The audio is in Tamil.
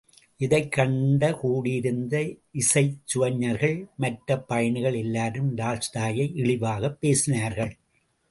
இதைக் கண்ட கூடியிருந்த இசைச் சுவைஞர்கள், மற்றப் பயணிகள் எல்லாரும் டால்ஸ்டாயை இழிவாகப் பேசினார்கள்.